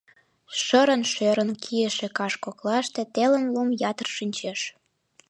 Шырын-шӧрын кийыше каш коклаште телым лум ятыр шинчеш.